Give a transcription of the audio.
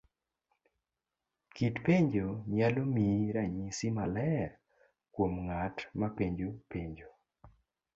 Kit penjo nyalo miyi ranyisi maler kuom nga't mapenjo penjo.